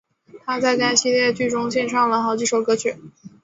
她在该系列剧集中献唱了好几首歌曲。